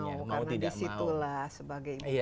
karena disitulah sebagai ibu kota